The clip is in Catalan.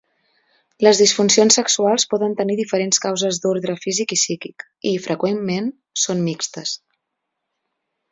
Les disfuncions sexuals poden tenir diferents causes d'ordre físic o psíquic i, freqüentment, són mixtes.